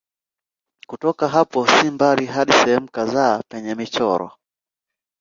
Kutoka hapo si mbali hadi sehemu kadhaa penye michoro.